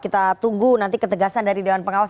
kita tunggu nanti ketegasan dari dewan pengawas